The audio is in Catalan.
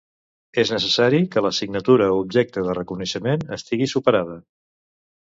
És necessari que l'assignatura objecte de reconeixement estigui superada.